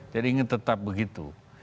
jadi ingin tetap begitu